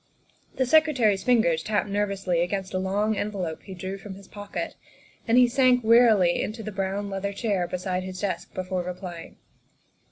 The Secretary's fingers tapped nervously against a long envelope he drew from his pocket, and he sank wearily into the brown leather chair beside his desk before replying.